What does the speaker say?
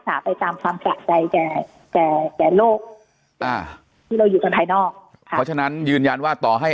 แต่แต่โลกที่เราอยู่กันภายนอกเพราะฉะนั้นยืนยันว่าต่อให้